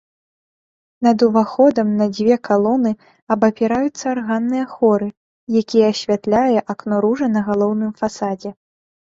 Над уваходам на дзве калоны абапіраюцца арганныя хоры, якія асвятляе акно-ружа на галоўным фасадзе.